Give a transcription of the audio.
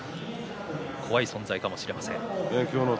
怖い存在かもしれません。